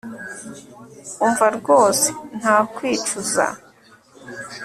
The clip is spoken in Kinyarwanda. umva rwose nta kwicuza